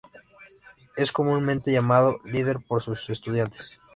Es comúnmente llamado 'Líder' por sus estudiantes.